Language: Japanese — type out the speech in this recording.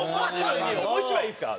もう１枚いいですか？